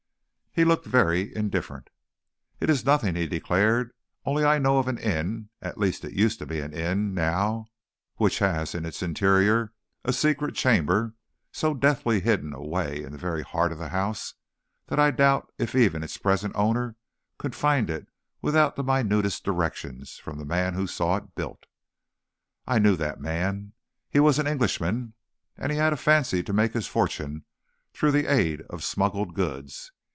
"He looked very indifferent. "'It is nothing,' he declared, 'only I know of an inn at least it is used for an inn now which has in its interior a secret chamber so deftly hidden away in the very heart of the house that I doubt if even its present owner could find it without the minutest directions from the man who saw it built. I knew that man. He was an Englishman, and he had a fancy to make his fortune through the aid of smuggled goods.